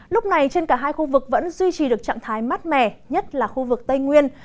lúc này trên cả hai khu vực vẫn duy trì được trạng thái mát mẻ nhất là khu vực tây nguyên